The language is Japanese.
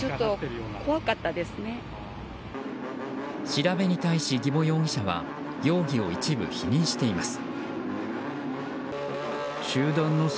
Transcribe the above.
調べに対し、儀保容疑者は容疑を一部否認しています。